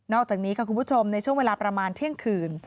อกจากนี้ค่ะคุณผู้ชมในช่วงเวลาประมาณเที่ยงคืน